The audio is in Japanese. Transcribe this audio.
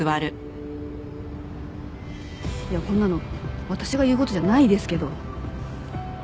いやこんなの私が言う事じゃないですけど。